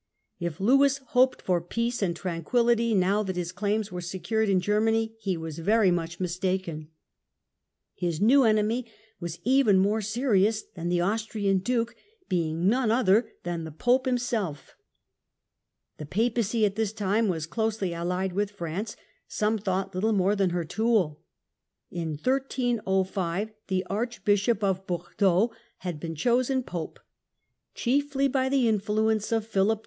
If Lewis hoped for peace and tranquiUity, now that his claims were secured in Germany, he was very much mistaken. His next enemy was even more serious than the Austrian Duke, being none other than the Pope himself. The Papacy at this time was closely allied with France, some thought little more than her tool. In 1305 the Archbishop of Bordeaux had been chosen Papacy at Pope, chiefly by the influence of Philip IV.